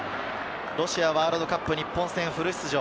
ロシアワールドカップ、日本戦フル出場。